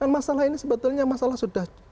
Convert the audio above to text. masalah ini sebetulnya masalah sudah